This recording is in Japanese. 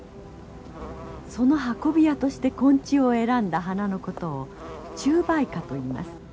その運び屋として昆虫を選んだ花のことを虫媒花といいます。